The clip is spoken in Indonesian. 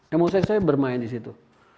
emosi saya bermain di situ